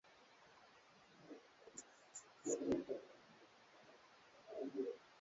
wa kike anayeonekana kuwa na sifa zote za kuvalishwa heshima ya Malkia wa Bongo